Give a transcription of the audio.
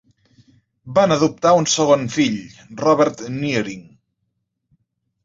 Van adoptar un segon fill, Robert Nearing.